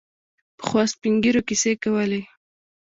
پخوا سپین ږیرو کیسې کولې.